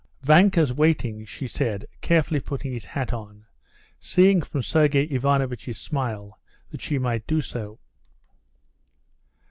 "Varenka's waiting," she said, carefully putting his hat on, seeing from Sergey Ivanovitch's smile that she might do so.